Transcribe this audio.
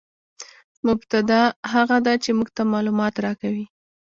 مبتداء هغه ده، چي موږ ته معلومات راکوي.